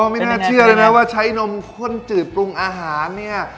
ไม่น่าเชื่อเลยนะว่าใช้นมข้นจืดปรุงอาหารเนี่ย